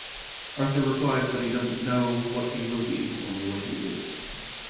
Arthur replies that he doesn't know what he will be, only what he is.